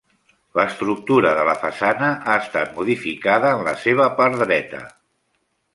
L'estructura de la façana ha estat modificada en la seva part dreta.